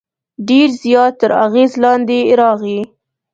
ډېر زیات تر اغېز لاندې راغی.